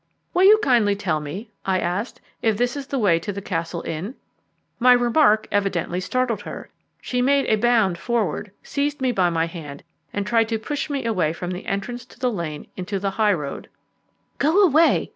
"Will you kindly tell me," I asked, "if this is the way to the Castle Inn?" My remark evidently startled her. She made a bound forward, seized me by my hand, and tried to push me away from the entrance to the lane into the high road. "Go away!"